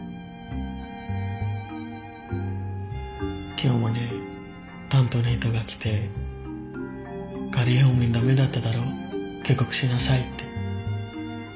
今日もね担当の人が来て「仮放免駄目だっただろう？帰国しなさい」って。